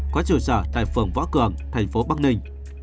có trụ sở tại phường võ cường thành phố bắc ninh